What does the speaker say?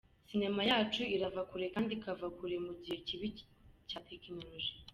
Sinema yacu irava kure kandi ikava kure mu gihe kibi cya Tekinoloji.